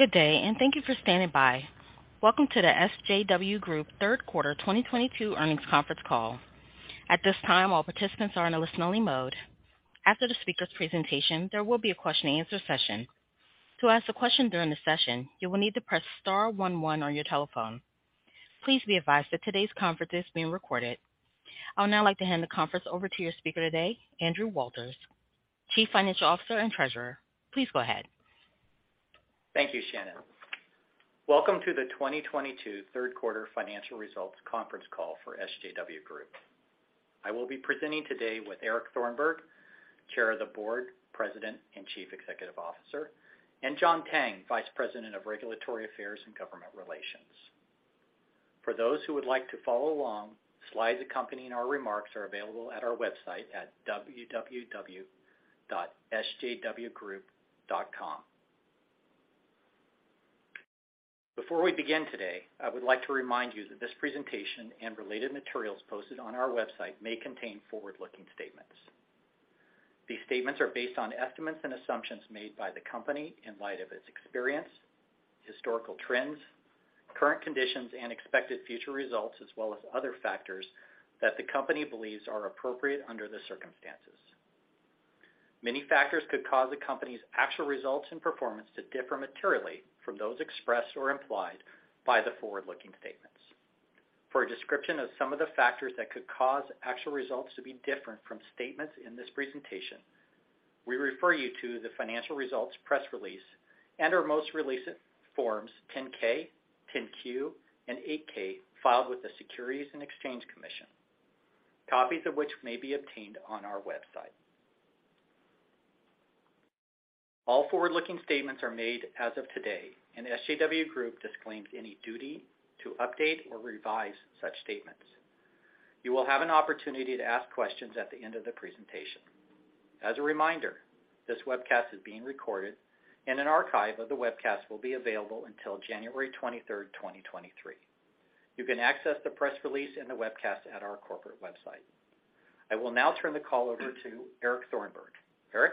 Good day, and thank you for standing by. Welcome to the SJW Group third quarter 2022 earnings conference call. At this time, all participants are in a listen-only mode. After the speaker's presentation, there will be a question-and-answer session. To ask a question during the session, you will need to press star one one on your telephone. Please be advised that today's conference is being recorded. I would now like to hand the conference over to your speaker today, Andrew Walters, Chief Financial Officer and Treasurer. Please go ahead. Thank you, Shannon. Welcome to the 2022 third quarter financial results conference call for SJW Group. I will be presenting today with Eric Thornburg, Chair of the Board, President, and Chief Executive Officer, and John Tang, Vice President of Regulatory Affairs and Government Relations. For those who would like to follow along, slides accompanying our remarks are available at our website at www.sjwgroup.com. Before we begin today, I would like to remind you that this presentation and related materials posted on our website may contain forward-looking statements. These statements are based on estimates and assumptions made by the company in light of its experience, historical trends, current conditions, and expected future results, as well as other factors that the company believes are appropriate under the circumstances. Many factors could cause the company's actual results and performance to differ materially from those expressed or implied by the forward-looking statements. For a description of some of the factors that could cause actual results to be different from statements in this presentation, we refer you to the financial results press release and our most recent Forms 10-K, 10-Q, and 8-K filed with the Securities and Exchange Commission, copies of which may be obtained on our website. All forward-looking statements are made as of today, and SJW Group disclaims any duty to update or revise such statements. You will have an opportunity to ask questions at the end of the presentation. As a reminder, this webcast is being recorded and an archive of the webcast will be available until January 23, 2023. You can access the press release and the webcast at our corporate website. I will now turn the call over to Eric Thornburg. Eric?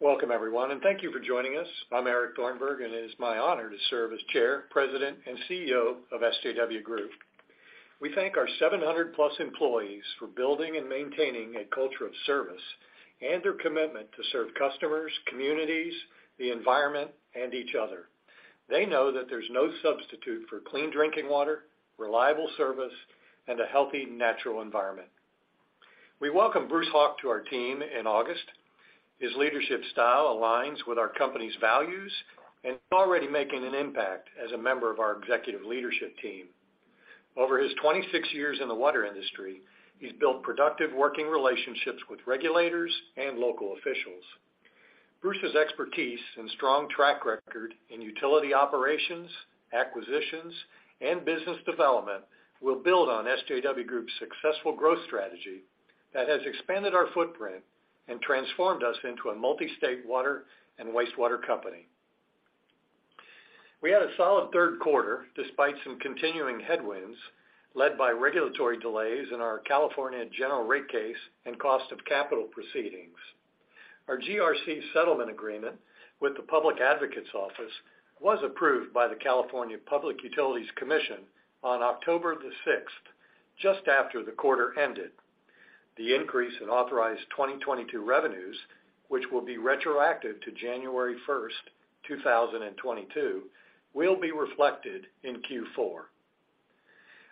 Welcome, everyone, and thank you for joining us. I'm Eric Thornburg, and it is my honor to serve as Chair, President, and CEO of SJW Group. We thank our 700+ employees for building and maintaining a culture of service and their commitment to serve customers, communities, the environment, and each other. They know that there's no substitute for clean drinking water, reliable service, and a healthy natural environment. We welcomed Bruce Hauk to our team in August. His leadership style aligns with our company's values and is already making an impact as a member of our executive leadership team. Over his 26 years in the water industry, he's built productive working relationships with regulators and local officials. Bruce's expertise and strong track record in utility operations, acquisitions, and business development will build on SJW Group's successful growth strategy that has expanded our footprint and transformed us into a multi-state water and wastewater company. We had a solid third quarter, despite some continuing headwinds led by regulatory delays in our California general rate case and cost of capital proceedings. Our GRC settlement agreement with the Public Advocates Office was approved by the California Public Utilities Commission on October 6, just after the quarter ended. The increase in authorized 2022 revenues, which will be retroactive to January 1, 2022, will be reflected in Q4.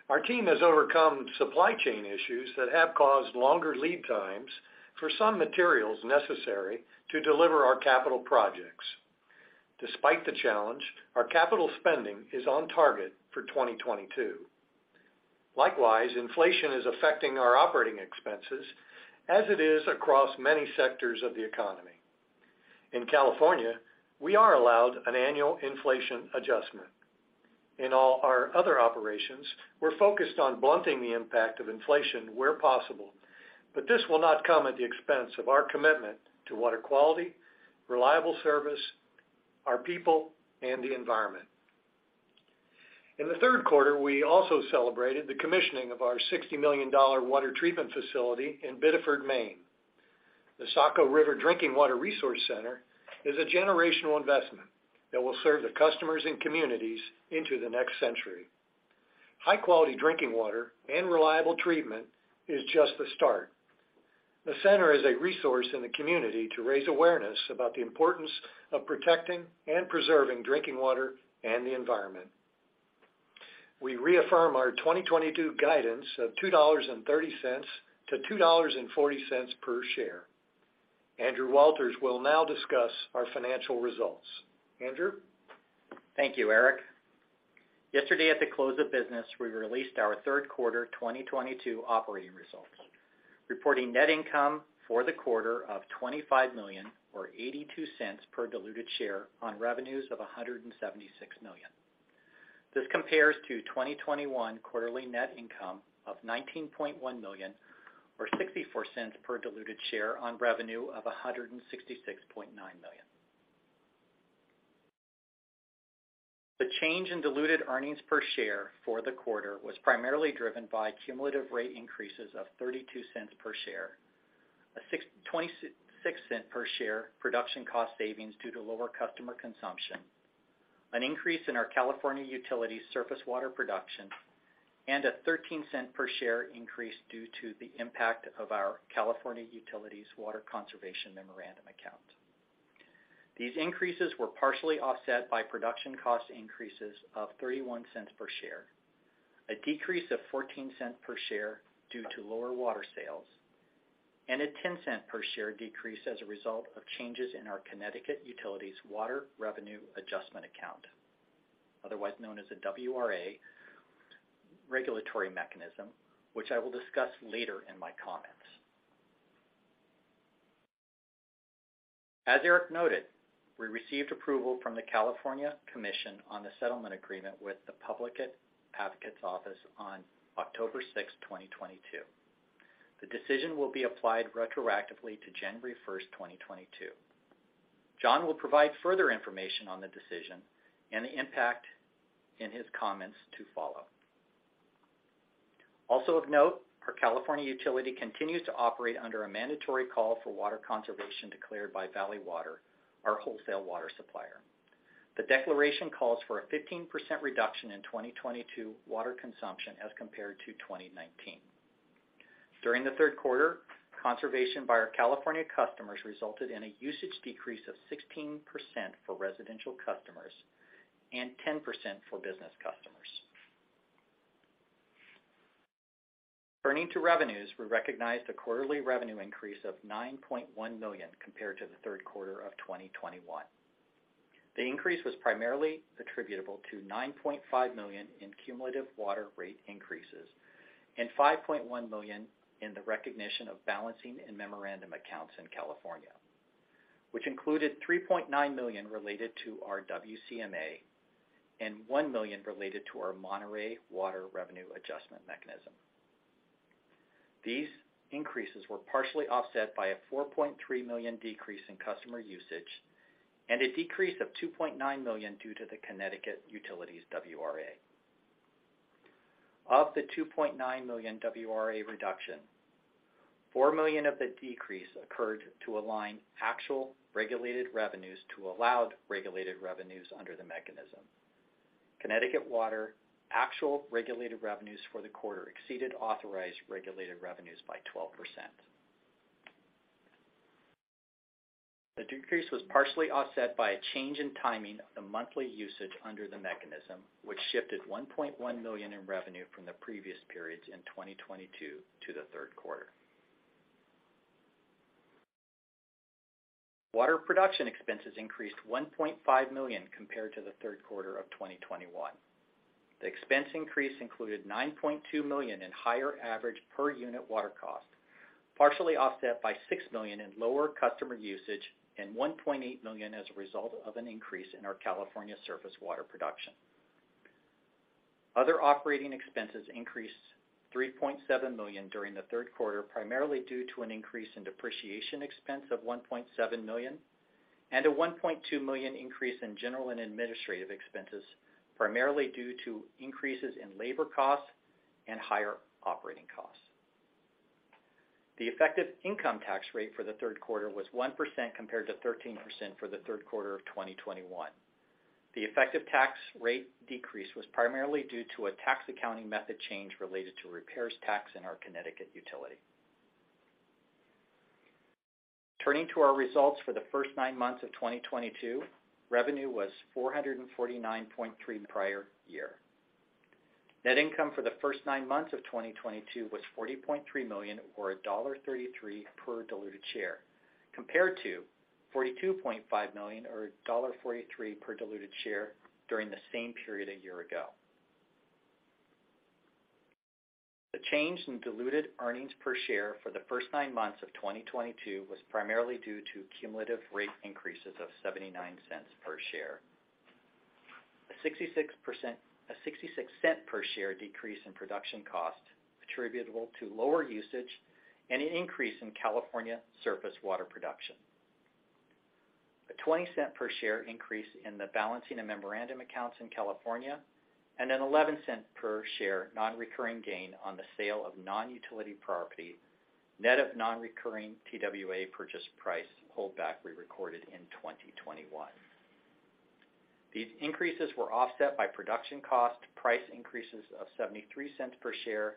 Our team has overcome supply chain issues that have caused longer lead times for some materials necessary to deliver our capital projects. Despite the challenge, our capital spending is on target for 2022. Likewise, inflation is affecting our operating expenses as it is across many sectors of the economy. In California, we are allowed an annual inflation adjustment. In all our other operations, we're focused on blunting the impact of inflation where possible, but this will not come at the expense of our commitment to water quality, reliable service, our people, and the environment. In the third quarter, we also celebrated the commissioning of our $60 million water treatment facility in Biddeford, Maine. The Saco River Drinking Water Resource Center is a generational investment that will serve the customers and communities into the next century. High-quality drinking water and reliable treatment is just the start. The center is a resource in the community to raise awareness about the importance of protecting and preserving drinking water and the environment. We reaffirm our 2022 guidance of $2.30-$2.40 per share. Andrew Walters will now discuss our financial results. Andrew? Thank you, Eric. Yesterday at the close of business, we released our third quarter 2022 operating results, reporting net income for the quarter of $25 million or $0.82 per diluted share on revenues of $176 million. This compares to 2021 quarterly net income of $19.1 million or $0.64 per diluted share on revenue of $166.9 million. The change in diluted earnings per share for the quarter was primarily driven by cumulative rate increases of $0.32 per share, a $0.26 per share production cost savings due to lower customer consumption, an increase in our California utility surface water production, and a $0.13 per share increase due to the impact of our California Utilities Water Conservation Memorandum account. These increases were partially offset by production cost increases of $0.31 per share, a decrease of $0.14 per share due to lower water sales, and a $0.10 per share decrease as a result of changes in our Connecticut Water Revenue Adjustment account, otherwise known as a WRA regulatory mechanism, which I will discuss later in my comments. As Eric noted, we received approval from the California Commission on the settlement agreement with the Public Advocates Office on October 6, 2022. The decision will be applied retroactively to January 1, 2022. John will provide further information on the decision and the impact in his comments to follow. Also of note, our California utility continues to operate under a mandatory call for water conservation declared by Valley Water, our wholesale water supplier. The declaration calls for a 15% reduction in 2022 water consumption as compared to 2019. During the third quarter, conservation by our California customers resulted in a usage decrease of 16% for residential customers and 10% for business customers. Turning to revenues, we recognized a quarterly revenue increase of $9.1 million compared to the third quarter of 2021. The increase was primarily attributable to $9.5 million in cumulative water rate increases and $5.1 million in the recognition of balancing and memorandum accounts in California, which included $3.9 million related to our WCMA and $1 million related to our Monterey Water Revenue Adjustment mechanism. These increases were partially offset by a $4.3 million decrease in customer usage and a decrease of $2.9 million due to the Connecticut Utilities WRA. Of the $2.9 million WRA reduction, $4 million of the decrease occurred to align actual regulated revenues to allowed regulated revenues under the mechanism. Connecticut Water actual regulated revenues for the quarter exceeded authorized regulated revenues by 12%. The decrease was partially offset by a change in timing of the monthly usage under the mechanism, which shifted $1.1 million in revenue from the previous periods in 2022 to the third quarter. Water production expenses increased $1.5 million compared to the third quarter of 2021. The expense increase included $9.2 million in higher average per unit water cost, partially offset by $6 million in lower customer usage and $1.8 million as a result of an increase in our California surface water production. Other operating expenses increased $3.7 million during the third quarter, primarily due to an increase in depreciation expense of $1.7 million and a $1.2 million increase in general and administrative expenses, primarily due to increases in labor costs and higher operating costs. The effective income tax rate for the third quarter was 1% compared to 13% for the third quarter of 2021. The effective tax rate decrease was primarily due to a tax accounting method change related to repairs tax in our Connecticut utility. Turning to our results for the first nine months of 2022, revenue was $449.3 million prior year. Net income for the first nine months of 2022 was $40.3 million or $1.33 per diluted share, compared to $42.5 million or $1.43 per diluted share during the same period a year ago. The change in diluted earnings per share for the first nine months of 2022 was primarily due to cumulative rate increases of $0.79 per share. A $0.66 per share decrease in production cost attributable to lower usage and an increase in California surface water production. A $0.20 per share increase in the balancing of memorandum accounts in California and a $0.11 per share non-recurring gain on the sale of non-utility property, net of non-recurring TWA purchase price holdback we recorded in 2021. These increases were offset by production cost price increases of $0.73 per share,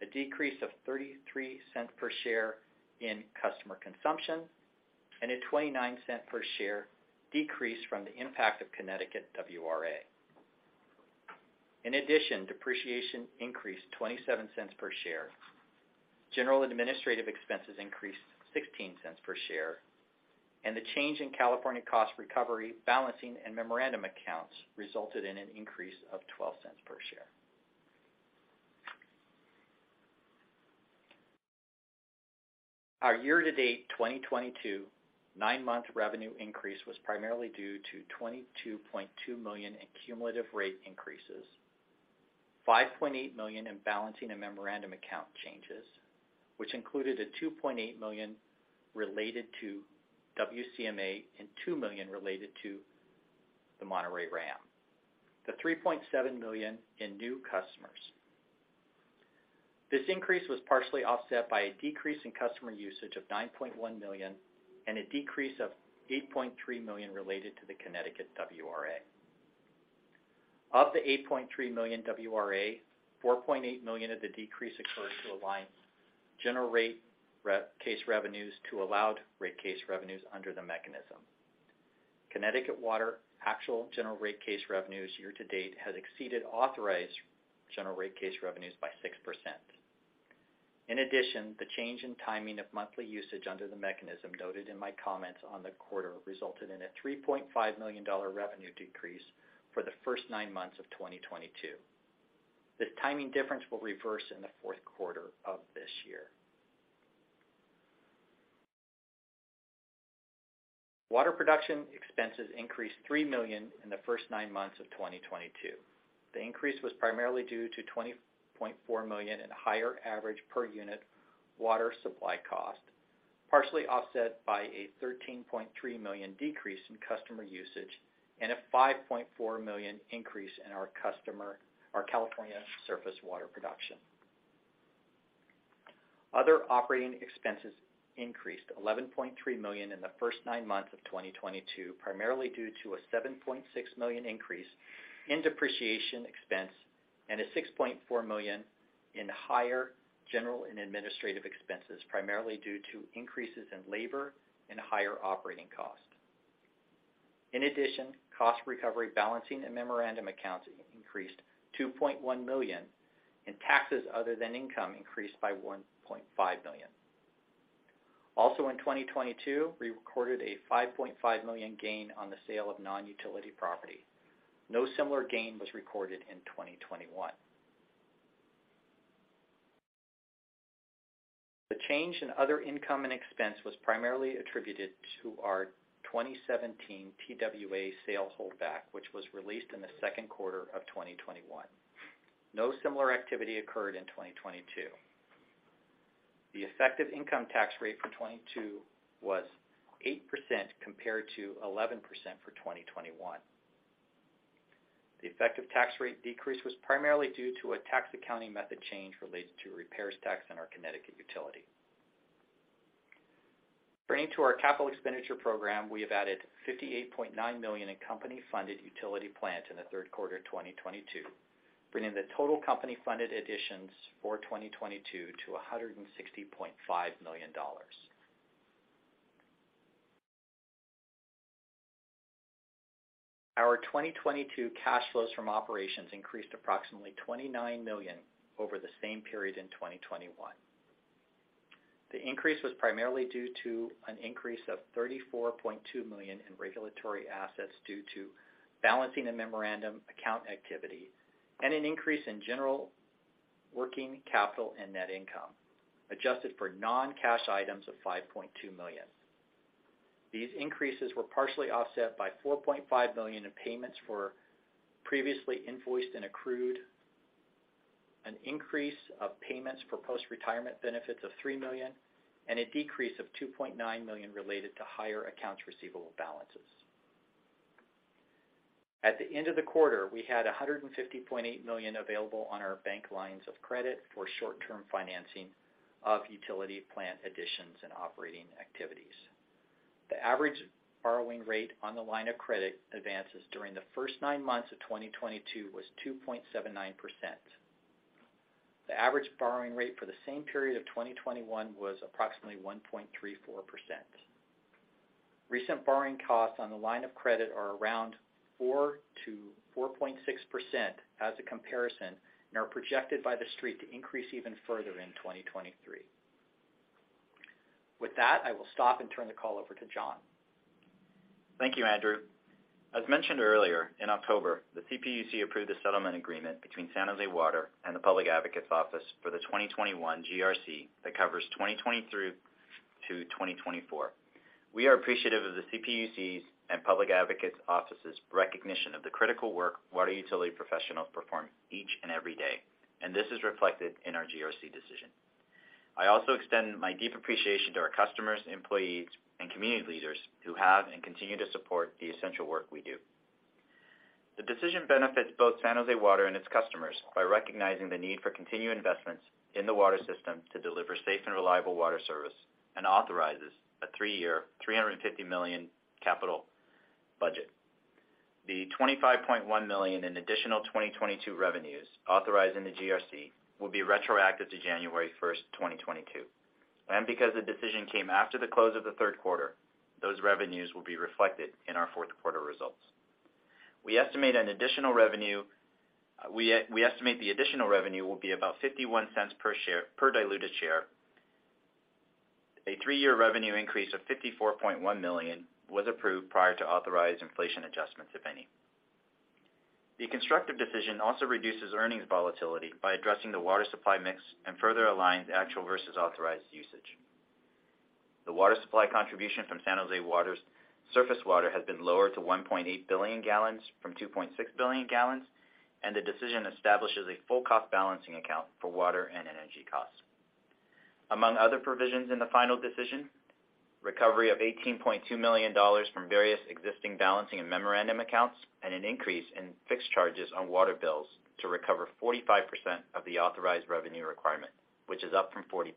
a decrease of $0.33 per share in customer consumption, and a $0.29 per share decrease from the impact of Connecticut WRA. In addition, depreciation increased $0.27 per share. General and administrative expenses increased $0.16 per share, and the change in California cost recovery, balancing, and memorandum accounts resulted in an increase of $0.12 per share. Our year-to-date 2022 nine-month revenue increase was primarily due to $22.2 million in cumulative rate increases, $5.8 million in balancing and memorandum account changes, which included a $2.8 million related to WCMA and $2 million related to the Monterey RAM. The $3.7 million in new customers. This increase was partially offset by a decrease in customer usage of $9.1 million and a decrease of $8.3 million related to the Connecticut WRA. Of the $8.3 million WRA, $4.8 million of the decrease occurred to align general rate case revenues to allowed rate case revenues under the mechanism. Connecticut Water actual general rate case revenues year to date has exceeded authorized general rate case revenues by 6%. In addition, the change in timing of monthly usage under the mechanism noted in my comments on the quarter resulted in a $3.5 million revenue decrease for the first nine months of 2022. This timing difference will reverse in the fourth quarter of this year. Water production expenses increased $3 million in the first nine months of 2022. The increase was primarily due to $20.4 million in higher average per unit water supply cost, partially offset by a $13.3 million decrease in customer usage and a $5.4 million increase in our California surface water production. Other operating expenses increased $11.3 million in the first nine months of 2022, primarily due to a $7.6 million increase in depreciation expense and a $6.4 million in higher general and administrative expenses, primarily due to increases in labor and higher operating costs. In addition, cost recovery balancing and memorandum accounts increased $2.1 million, and taxes other than income increased by $1.5 million. Also in 2022, we recorded a $5.5 million gain on the sale of non-utility property. No similar gain was recorded in 2021. The change in other income and expense was primarily attributed to our 2017 TWA sale holdback, which was released in the second quarter of 2021. No similar activity occurred in 2022. The effective income tax rate for 2022 was 8% compared to 11% for 2021. The effective tax rate decrease was primarily due to a tax accounting method change related to repairs tax in our Connecticut utility. Turning to our capital expenditure program, we have added $58.9 million in company-funded utility plant in the third quarter of 2022, bringing the total company-funded additions for 2022 to $160.5 million. Our 2022 cash flows from operations increased approximately $29 million over the same period in 2021. The increase was primarily due to an increase of $34.2 million in regulatory assets due to balancing the memorandum account activity and an increase in general working capital and net income, adjusted for non-cash items of $5.2 million. These increases were partially offset by $4.5 million in payments for previously invoiced and accrued, an increase of payments for postretirement benefits of $3 million, and a decrease of $2.9 million related to higher accounts receivable balances. At the end of the quarter, we had $150.8 million available on our bank lines of credit for short-term financing of utility plant additions and operating activities. The average borrowing rate on the line of credit advances during the first nine months of 2022 was 2.79%. The average borrowing rate for the same period of 2021 was approximately 1.34%. Recent borrowing costs on the line of credit are around 4%-4.6% as a comparison and are projected by the Street to increase even further in 2023. With that, I will stop and turn the call over to John. Thank you, Andrew. As mentioned earlier, in October, the CPUC approved a settlement agreement between San Jose Water and the Public Advocates Office for the 2021 GRC that covers 2023 to 2024. We are appreciative of the CPUC's and Public Advocates Office's recognition of the critical work water utility professionals perform each and every day, and this is reflected in our GRC decision. I also extend my deep appreciation to our customers, employees, and community leaders who have and continue to support the essential work we do. The decision benefits both San Jose Water and its customers by recognizing the need for continued investments in the water system to deliver safe and reliable water service and authorizes a three-year, $350 million capital budget. The $25.1 million in additional 2022 revenues authorized in the GRC will be retroactive to January 1, 2022. Because the decision came after the close of the third quarter, those revenues will be reflected in our fourth quarter results. We estimate the additional revenue will be about $0.51 per diluted share. A three-year revenue increase of $54.1 million was approved prior to authorized inflation adjustments, if any. The constructive decision also reduces earnings volatility by addressing the water supply mix and further align the actual versus authorized usage. The water supply contribution from San Jose Water's surface water has been lowered to 1.8 billion gal from 2.6 billion gal, and the decision establishes a full cost balancing account for water and energy costs. Among other provisions in the final decision, recovery of $18.2 million from various existing balancing and memorandum accounts and an increase in fixed charges on water bills to recover 45% of the authorized revenue requirement, which is up from 40%.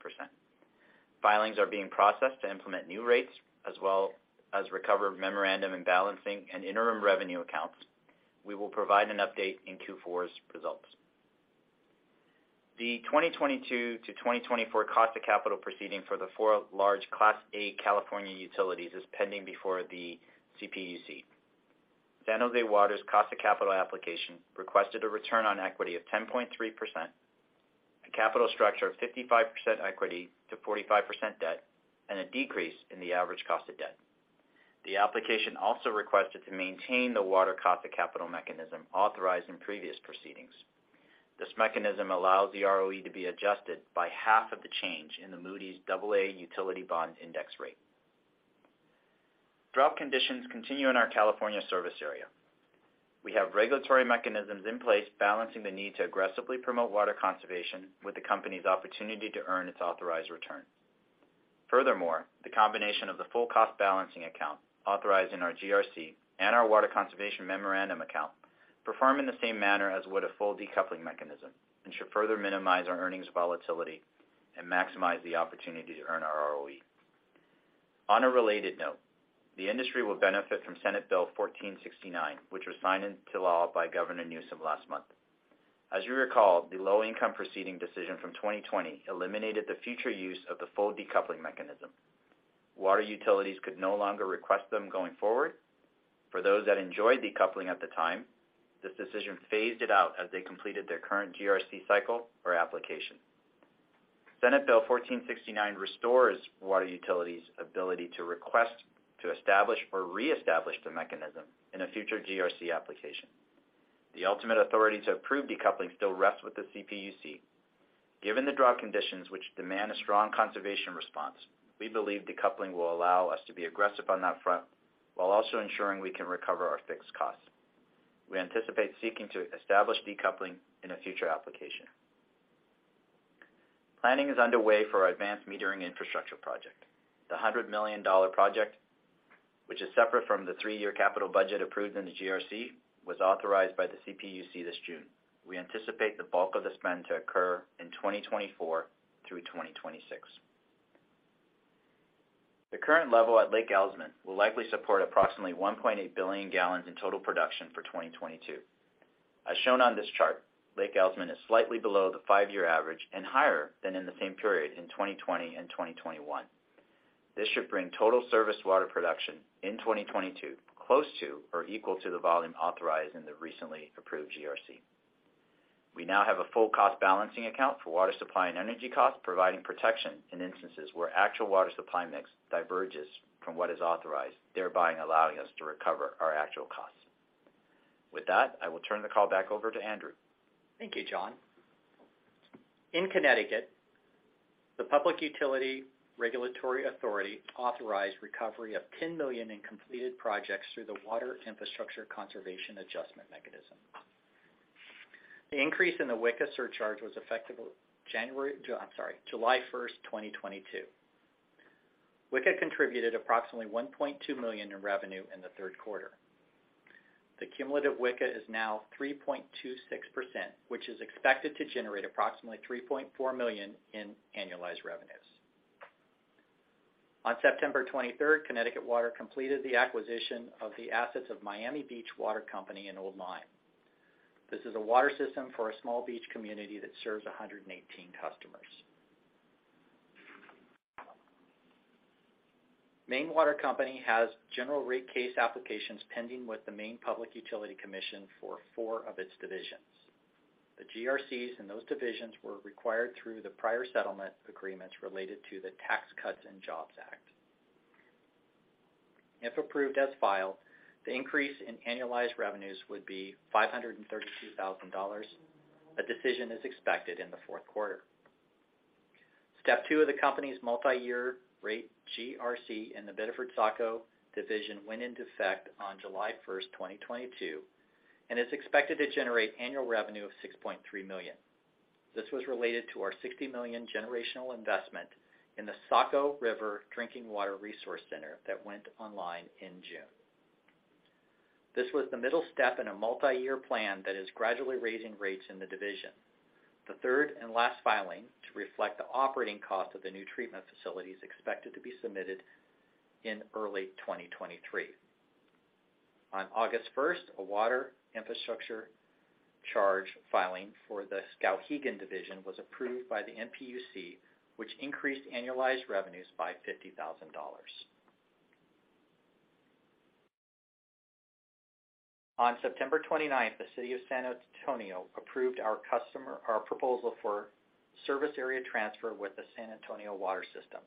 Filings are being processed to implement new rates as well as recover memorandum and balancing and interim revenue accounts. We will provide an update in Q4's results. The 2022-2024 cost of capital proceeding for the four large Class A California utilities is pending before the CPUC. San Jose Water's cost of capital application requested a return on equity of 10.3%, a capital structure of 55% equity to 45% debt, and a decrease in the average cost of debt. The application also requested to maintain the water cost of capital mechanism authorized in previous proceedings. This mechanism allows the ROE to be adjusted by half of the change in the Moody's AA utility bond index rate. Drought conditions continue in our California service area. We have regulatory mechanisms in place balancing the need to aggressively promote water conservation with the company's opportunity to earn its authorized return. Furthermore, the combination of the full cost balancing account authorized in our GRC and our water conservation memorandum account perform in the same manner as would a full decoupling mechanism and should further minimize our earnings volatility and maximize the opportunity to earn our ROE. On a related note, the industry will benefit from Senate Bill 1469, which was signed into law by Governor Newsom last month. As you recall, the low-income proceeding decision from 2020 eliminated the future use of the full decoupling mechanism. Water utilities could no longer request them going forward. For those that enjoyed decoupling at the time, this decision phased it out as they completed their current GRC cycle or application. Senate Bill 1469 restores water utilities' ability to request to establish or reestablish the mechanism in a future GRC application. The ultimate authority to approve decoupling still rests with the CPUC. Given the drought conditions which demand a strong conservation response, we believe decoupling will allow us to be aggressive on that front while also ensuring we can recover our fixed costs. We anticipate seeking to establish decoupling in a future application. Planning is underway for our advanced metering infrastructure project. The $100 million project, which is separate from the three-year capital budget approved in the GRC, was authorized by the CPUC this June. We anticipate the bulk of the spend to occur in 2024 through 2026. The current level at Lake Elsman will likely support approximately 1.8 billion gal in total production for 2022. As shown on this chart, Lake Elsman is slightly below the five-year average and higher than in the same period in 2020 and 2021. This should bring total service water production in 2022 close to or equal to the volume authorized in the recently approved GRC. We now have a full cost balancing account for water supply and energy costs, providing protection in instances where actual water supply mix diverges from what is authorized, thereby allowing us to recover our actual costs. With that, I will turn the call back over to Andrew. Thank you, John. In Connecticut, the Public Utilities Regulatory Authority authorized recovery of $10 million in completed projects through the Water Infrastructure Conservation Adjustment mechanism. The increase in the WICA surcharge was effective July 1, 2022. WICA contributed approximately $1.2 million in revenue in the third quarter. The cumulative WICA is now 3.26%, which is expected to generate approximately $3.4 million in annualized revenues. On September 23, Connecticut Water completed the acquisition of the assets of Miami Beach Water Company in Old Lyme. This is a water system for a small beach community that serves 118 customers. Maine Water Company has general rate case applications pending with the Maine Public Utilities Commission for four of its divisions. The GRCs in those divisions were required through the prior settlement agreements related to the Tax Cuts and Jobs Act. If approved as filed, the increase in annualized revenues would be $532,000. A decision is expected in the fourth quarter. Step two of the company's multi-year rate GRC in the Biddeford & Saco division went into effect on July 1, 2022, and is expected to generate annual revenue of $6.3 million. This was related to our $60 million generational investment in the Saco River Drinking Water Resource Center that went online in June. This was the middle step in a multi-year plan that is gradually raising rates in the division. The third and last filing to reflect the operating cost of the new treatment facility is expected to be submitted in early 2023. On August first, a water infrastructure charge filing for the Skowhegan division was approved by the MPUC, which increased annualized revenues by $50,000. On September 29th, the city of San Antonio approved our proposal for service area transfer with the San Antonio Water System.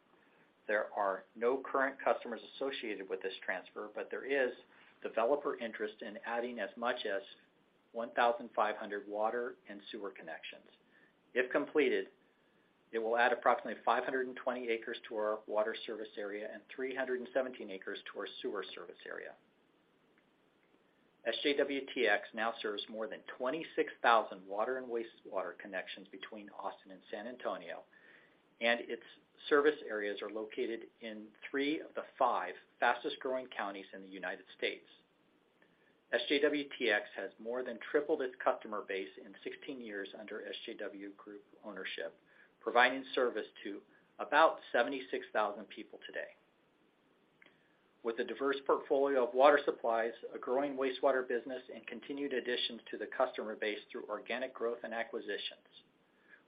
There are no current customers associated with this transfer, but there is developer interest in adding as much as 1,500 water and sewer connections. If completed, it will add approximately 520 acres to our water service area and 317 acres to our sewer service area. SJWTX now serves more than 26,000 water and wastewater connections between Austin and San Antonio, and its service areas are located in three of the five fastest-growing counties in the United States. SJWTX has more than tripled its customer base in 16 years under SJW Group ownership, providing service to about 76,000 people today. With a diverse portfolio of water supplies, a growing wastewater business, and continued additions to the customer base through organic growth and acquisitions,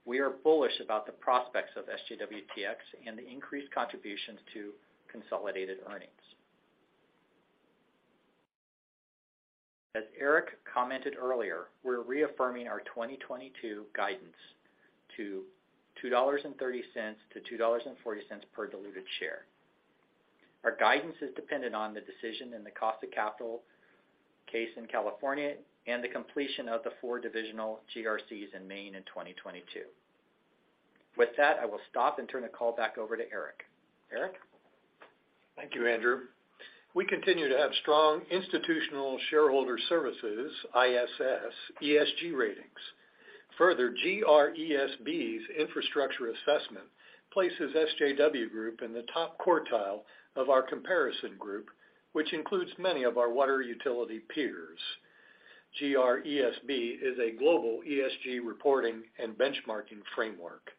we are bullish about the prospects of SJWTX and the increased contributions to consolidated earnings. As Eric commented earlier, we're reaffirming our 2022 guidance to $2.30-$2.40 per diluted share. Our guidance is dependent on the decision in the cost of capital case in California and the completion of the four divisional GRCs in Maine in 2022. With that, I will stop and turn the call back over to Eric. Eric? Thank you, Andrew. We continue to have strong Institutional Shareholder Services, ISS, ESG ratings. Further, GRESB's infrastructure assessment places SJW Group in the top quartile of our comparison group, which includes many of our water utility peers. GRESB is a global ESG reporting and benchmarking framework.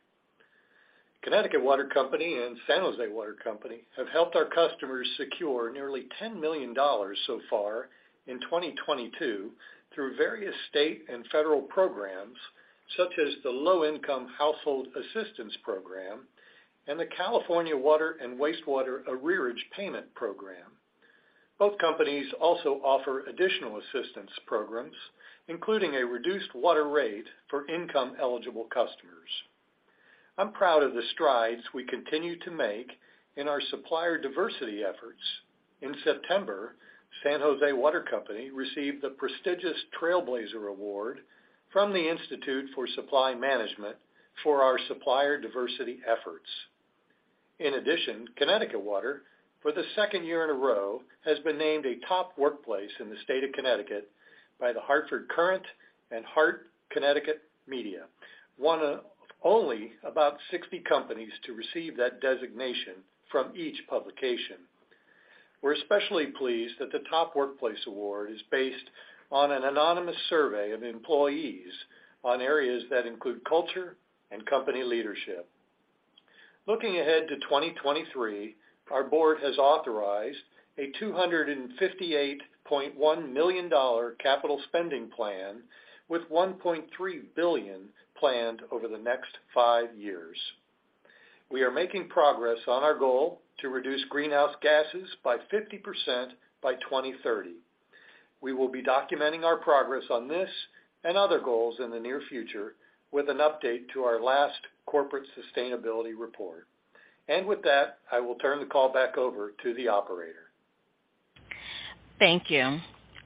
Connecticut Water Company and San Jose Water Company have helped our customers secure nearly $10 million so far in 2022 through various state and federal programs, such as the Low Income Household Assistance Program and the California Water and Wastewater Arrearage Payment Program. Both companies also offer additional assistance programs, including a reduced water rate for income-eligible customers. I'm proud of the strides we continue to make in our supplier diversity efforts. In September, San Jose Water Company received the prestigious Trailblazer Award from the Institute for Supply Management for our supplier diversity efforts. In addition, Connecticut Water, for the second year in a row, has been named a top workplace in the state of Connecticut by the Hartford Courant and Hearst Connecticut Media Group, one of only about 60 companies to receive that designation from each publication. We're especially pleased that the Top Workplace Award is based on an anonymous survey of employees on areas that include culture and company leadership. Looking ahead to 2023, our board has authorized a $258.1 million capital spending plan with $1.3 billion planned over the next five years. We are making progress on our goal to reduce greenhouse gases by 50% by 2030. We will be documenting our progress on this and other goals in the near future with an update to our last corporate sustainability report. With that, I will turn the call back over to the operator. Thank you.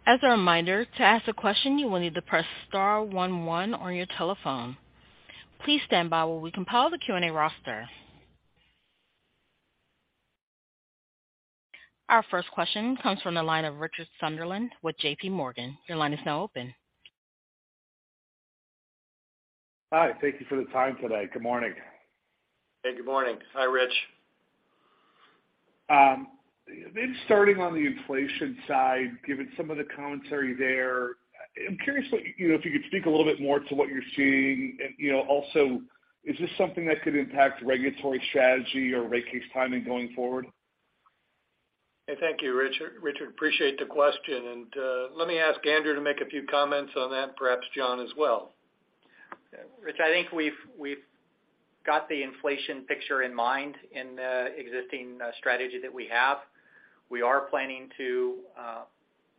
As a reminder, to ask a question, you will need to press star one one on your telephone. Please stand by while we compile the Q&A roster. Our first question comes from the line of Richard Sunderland with JP Morgan. Your line is now open. Hi. Thank you for the time today. Good morning. Hey, good morning. Hi, Rich. Maybe starting on the inflation side, given some of the commentary there, I'm curious what you know, if you could speak a little bit more to what you're seeing and, you know, also is this something that could impact regulatory strategy or rate case timing going forward? Thank you, Richard. Richard, appreciate the question, and let me ask Andrew to make a few comments on that, perhaps John as well. Rich, I think we've got the inflation picture in mind in the existing strategy that we have. We are planning to,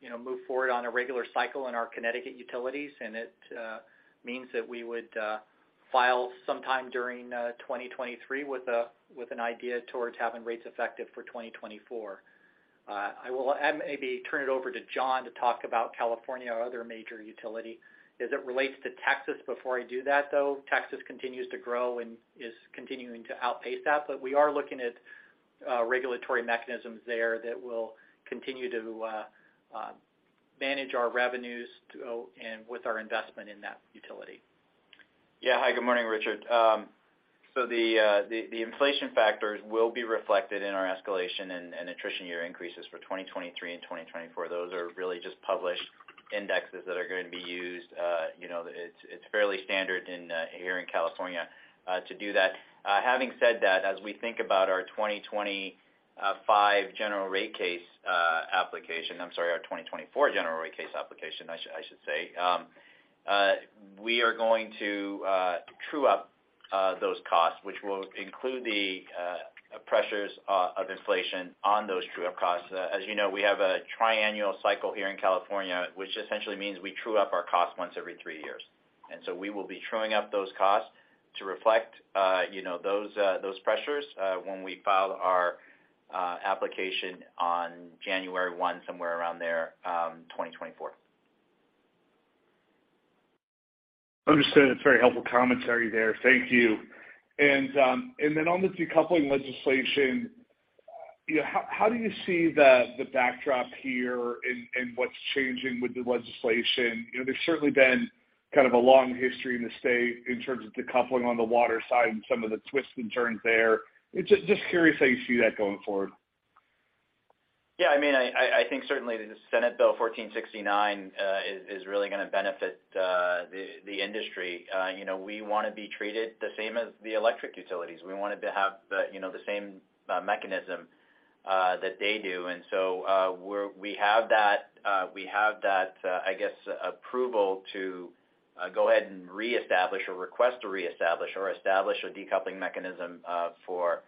you know, move forward on a regular cycle in our Connecticut utilities, and it means that we would file sometime during 2023 with an idea towards having rates effective for 2024. I will maybe turn it over to John to talk about California, our other major utility. As it relates to Texas before I do that, though, Texas continues to grow and is continuing to outpace that. But we are looking at regulatory mechanisms there that will continue to manage our revenues and with our investment in that utility. Yeah. Hi, good morning, Richard. So the inflation factors will be reflected in our escalation and attrition year increases for 2023 and 2024. Those are really just published indexes that are going to be used. You know, it's fairly standard here in California to do that. Having said that, as we think about our 2025 general rate case application—I'm sorry, our 2024 general rate case application, I should say, we are going to true up those costs, which will include the pressures of inflation on those true-up costs. As you know, we have a triannual cycle here in California, which essentially means we true up our costs once every three years. We will be truing up those costs to reflect, you know, those pressures when we file our application on January 1, somewhere around there, 2024. Understood. That's very helpful commentary there. Thank you. Then on the decoupling legislation, you know, how do you see the backdrop here and what's changing with the legislation? You know, there's certainly been kind of a long history in the state in terms of decoupling on the water side and some of the twists and turns there. Just curious how you see that going forward. I think certainly the Senate Bill 1469 is really gonna benefit the industry. You know, we wanna be treated the same as the electric utilities. We wanted to have the, you know, the same mechanism that they do. We have that, I guess, approval to go ahead and reestablish or request to reestablish or establish a decoupling mechanism for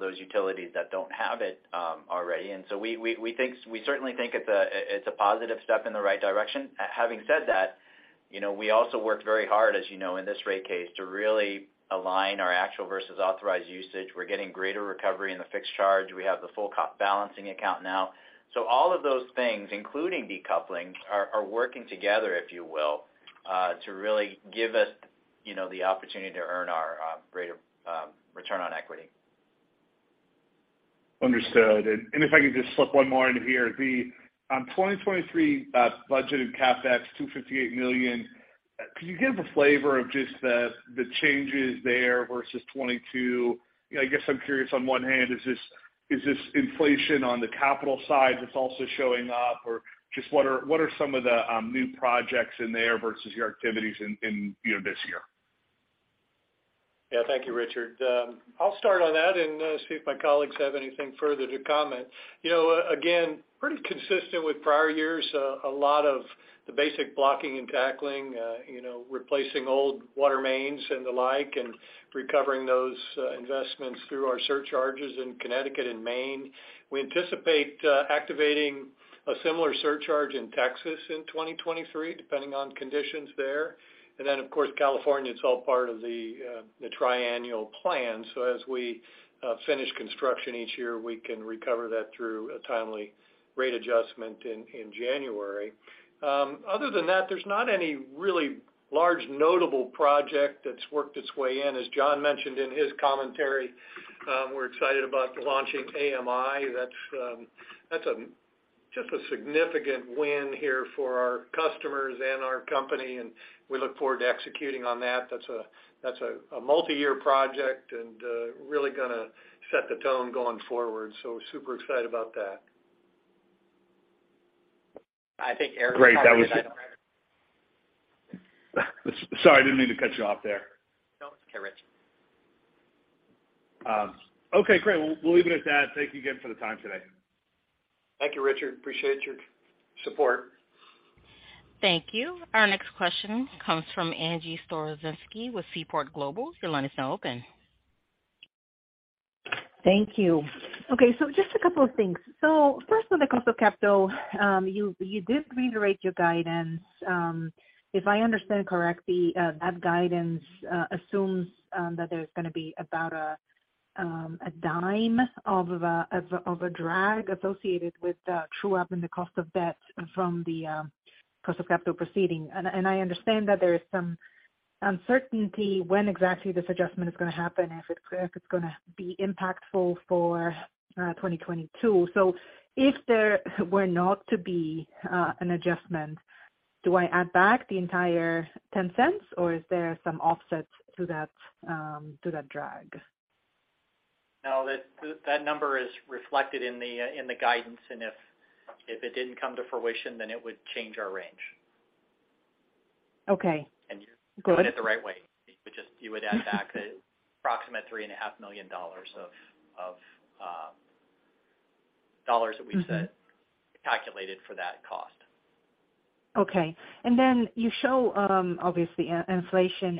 those utilities that don't have it already. We certainly think it's a positive step in the right direction. Having said that, you know, we also worked very hard, as you know, in this rate case to really align our actual versus authorized usage. We're getting greater recovery in the fixed charge. We have the full cost balancing account now. All of those things, including decoupling, are working together, if you will, to really give us, you know, the opportunity to earn our greater return on equity. Understood. If I could just slip one more in here. The 2023 budgeted CapEx, $258 million. Could you give a flavor of just the changes there versus 2022? You know, I guess I'm curious on one hand, is this inflation on the capital side that's also showing up? Or just what are some of the new projects in there versus your activities in you know, this year? Yeah. Thank you, Richard. I'll start on that and see if my colleagues have anything further to comment. You know, again, pretty consistent with prior years, a lot of the basic blocking and tackling, you know, replacing old water mains and the like, and recovering those investments through our surcharges in Connecticut and Maine. We anticipate activating a similar surcharge in Texas in 2023, depending on conditions there. Of course, California, it's all part of the triennial plan. As we finish construction each year, we can recover that through a timely rate adjustment in January. Other than that, there's not any really large notable project that's worked its way in. As John mentioned in his commentary, we're excited about launching AMI. That's just a significant win here for our customers and our company, and we look forward to executing on that. That's a multiyear project and really gonna set the tone going forward. Super excited about that. I think Eric. Great. Sorry, I didn't mean to cut you off there. No, it's okay, Richard. Okay, great. We'll leave it at that. Thank you again for the time today. Thank you, Richard. Appreciate your support. Thank you. Our next question comes from Angie Storozynski with Seaport Global. Your line is now open. Thank you. Okay, just a couple of things. First on the cost of capital, you did reiterate your guidance. If I understand correctly, that guidance assumes that there's gonna be about $0.10 of a drag associated with the true up in the cost of debt from the cost of capital proceeding. I understand that there is some uncertainty when exactly this adjustment is gonna happen, if it's gonna be impactful for 2022. If there were not to be an adjustment, do I add back the entire $0.10, or is there some offset to that drag? No, that number is reflected in the guidance. If it didn't come to fruition, then it would change our range. Okay. And you... Go ahead. ...put it the right way. You would just add back approximate $3.5 million of dollars that we said, calculated for that cost. Okay. Then you show, obviously inflation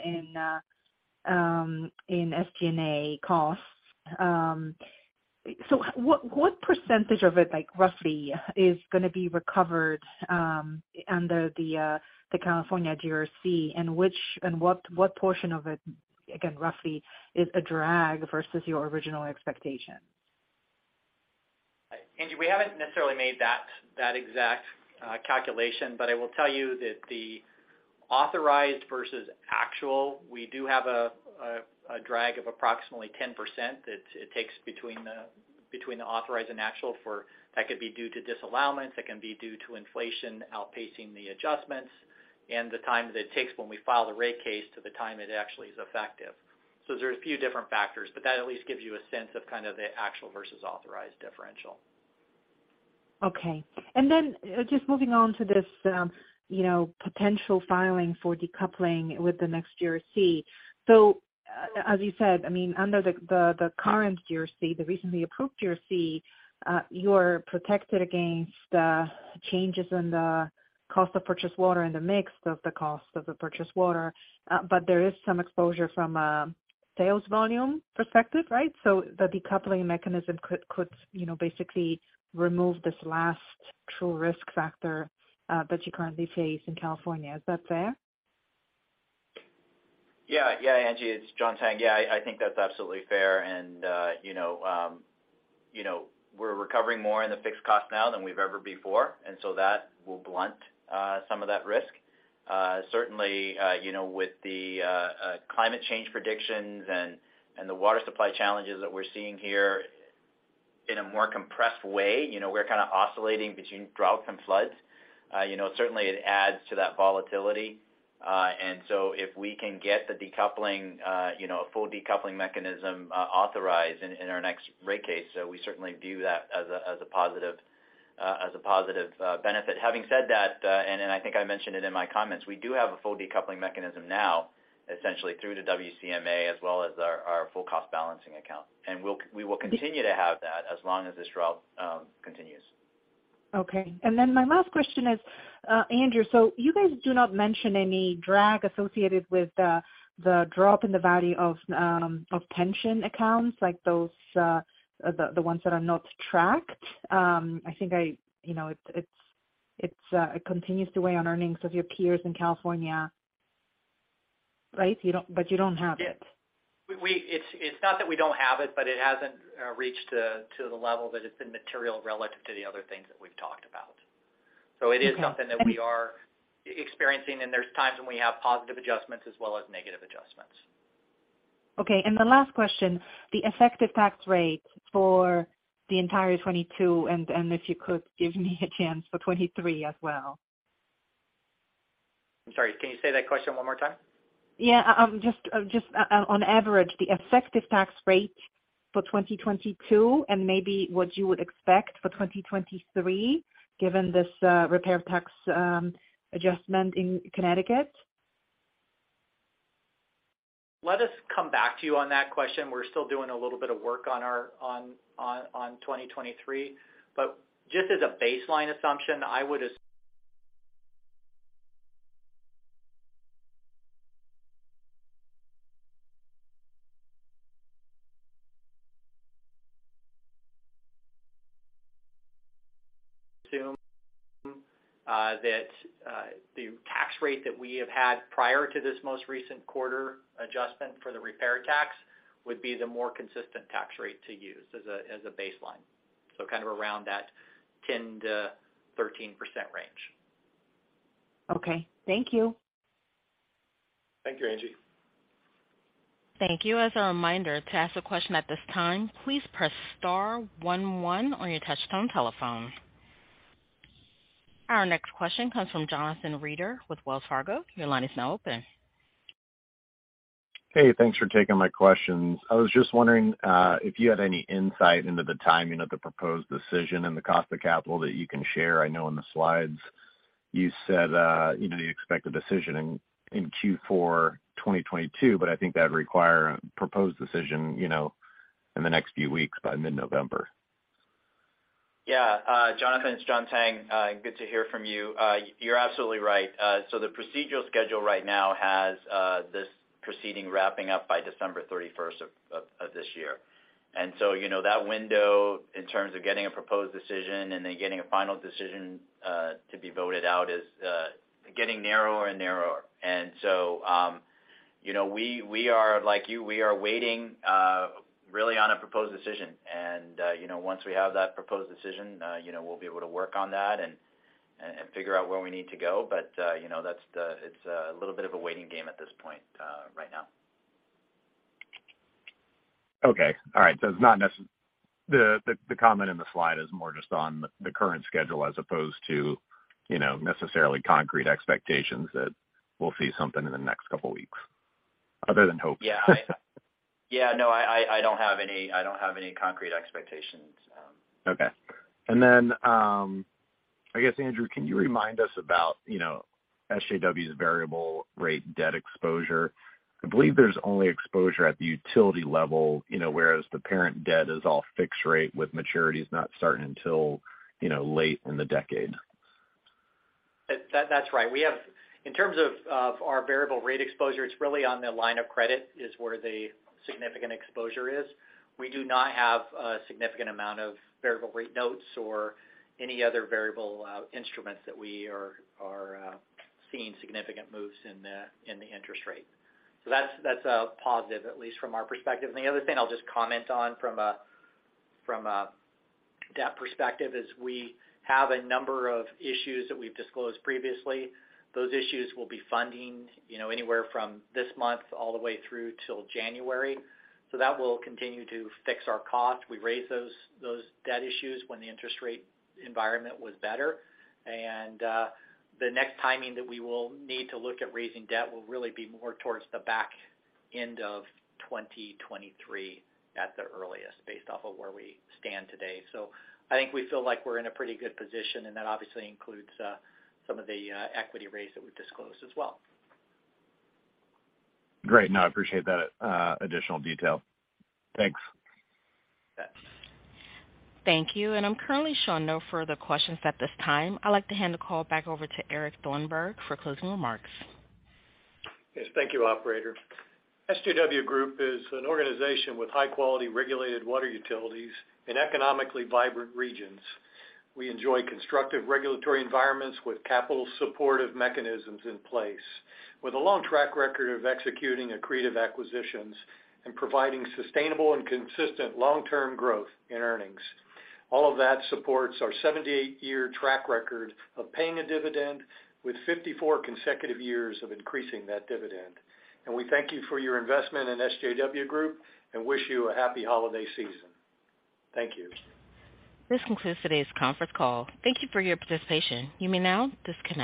in SG&A costs. So what percentage of it, like roughly, is gonna be recovered under the California GRC? And what portion of it, again, roughly is a drag versus your original expectation? Angie, we haven't necessarily made that exact calculation. I will tell you that the authorized versus actual, we do have a drag of approximately 10%. It takes between the authorized and actual that could be due to disallowance, that can be due to inflation outpacing the adjustments and the time that it takes when we file the rate case to the time it actually is effective. There's a few different factors, but that at least gives you a sense of kind of the actual versus authorized differential. Okay. Just moving on to this, you know, potential filing for decoupling with the next GRC. As you said, I mean, under the current GRC, the recently approved GRC, you're protected against changes in the cost of purchased water and the mix of the cost of the purchased water. There is some exposure from a sales volume perspective, right? The decoupling mechanism could, you know, basically remove this last true risk factor that you currently face in California. Is that fair? Yeah, Angie, it's John Tang. Yeah, I think that's absolutely fair and, you know, you know, we're recovering more in the fixed cost now than we've ever before, and so that will blunt some of that risk. Certainly, you know, with the climate change predictions and the water supply challenges that we're seeing here in a more compressed way, you know, we're kinda oscillating between droughts and floods. You know, certainly it adds to that volatility. If we can get the decoupling, you know, a full decoupling mechanism authorized in our next rate case, we certainly view that as a positive benefit. Having said that, and then I think I mentioned it in my comments, we do have a full decoupling mechanism now, essentially through the WCMA as well as our full cost balancing account. We will continue to have that as long as this drought continues. Okay. My last question is, Andrew, so you guys do not mention any drag associated with the drop in the value of pension accounts, like those, the ones that are not tracked. I think, you know, it continues to weigh on earnings of your peers in California, right? But you don't have it. Yeah. It's not that we don't have it, but it hasn't reached to the level that it's been material relative to the other things that we've talked about. Okay. It is something that we are experiencing, and there's times when we have positive adjustments as well as negative adjustments. Okay. The last question, the effective tax rate for the entire 2022, and if you could give me guidance for 2023 as well? I'm sorry, can you say that question one more time? Just on average, the effective tax rate for 2022 and maybe what you would expect for 2023, given this repatriation tax adjustment in Connecticut? Let us come back to you on that question. We're still doing a little bit of work on our 2023. Just as a baseline assumption, I would assume that the tax rate that we have had prior to this most recent quarter adjustment for the repair tax would be the more consistent tax rate to use as a baseline. Kind of around that 10%-13% range. Okay. Thank you. Thank you, Angie. Thank you. As a reminder, to ask a question at this time, please press star one one on your touchtone telephone. Our next question comes from Jonathan Reeder with Wells Fargo. Your line is now open. Hey, thanks for taking my questions. I was just wondering if you had any insight into the timing of the proposed decision and the cost of capital that you can share. I know in the slides you said, you know, you expect a decision in Q4 2022, but I think that'd require a proposed decision, you know, in the next few weeks, by mid-November. Yeah. Jonathan, it's John Tang. Good to hear from you. You're absolutely right. The procedural schedule right now has this proceeding wrapping up by December 31st of this year. You know, that window in terms of getting a proposed decision and then getting a final decision to be voted out is getting narrower and narrower. You know, we are like you. We are waiting really on a proposed decision. You know, once we have that proposed decision, you know, we'll be able to work on that and figure out where we need to go. You know, that's the, it's a little bit of a waiting game at this point, right now. Okay. All right. The comment in the slide is more just on the current schedule as opposed to, you know, necessarily concrete expectations that we'll see something in the next couple weeks, other than hope. Yeah, no, I don't have any concrete expectations. I guess, Andrew, can you remind us about, you know, SJW's variable rate debt exposure? I believe there's only exposure at the utility level, you know, whereas the parent debt is all fixed rate with maturities not starting until, you know, late in the decade. That's right. We have in terms of our variable rate exposure, it's really on the line of credit is where the significant exposure is. We do not have a significant amount of variable rate notes or any other variable instruments that we are seeing significant moves in the interest rate. So that's a positive, at least from our perspective. The other thing I'll just comment on from a debt perspective is we have a number of issues that we've disclosed previously. Those issues will be funding, you know, anywhere from this month all the way through till January. So that will continue to fix our cost. We raised those debt issues when the interest rate environment was better. The next timing that we will need to look at raising debt will really be more towards the back end of 2023 at the earliest, based off of where we stand today. I think we feel like we're in a pretty good position, and that obviously includes some of the equity raise that we disclosed as well. Great. No, I appreciate that, additional detail. Thanks. Yes. Thank you. I'm currently showing no further questions at this time. I'd like to hand the call back over to Eric Thornburg for closing remarks. Yes, thank you, operator. SJW Group is an organization with high-quality regulated water utilities in economically vibrant regions. We enjoy constructive regulatory environments with capital supportive mechanisms in place, with a long track record of executing accretive acquisitions and providing sustainable and consistent long-term growth in earnings. All of that supports our 78-year track record of paying a dividend, with 54 consecutive years of increasing that dividend. We thank you for your investment in SJW Group and wish you a happy holiday season. Thank you. This concludes today's conference call. Thank you for your participation. You may now disconnect.